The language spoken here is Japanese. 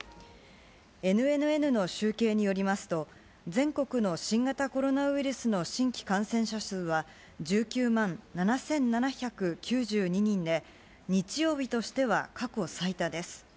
ＮＮＮの集計によりますと、全国の新型コロナウイルスの新規感染者数は１９万７７９２人で、日曜日としては過去最多です。